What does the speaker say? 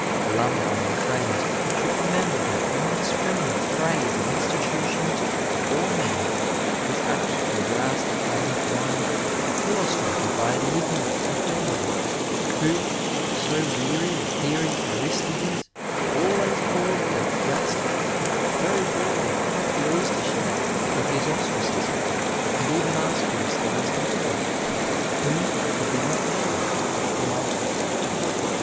Alumni and friends should remember that indiscriminate praise of institutions or men is apt to rouse the frame of mind iUustrated by the ignorant Athenian who, so weary of hearing Aristides always called the Just, very gladly took up the oyster shell lor his os tracism, and even asked Aristides himself, whom he did not know, to mark it.